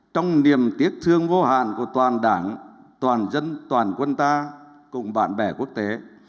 trong niềm tiếc thương vô hạn của toàn đảng toàn dân toàn quân ta cùng bạn bè quốc tế